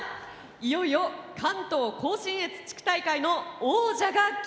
いよいよ関東甲信越地区大会の王者が決まります。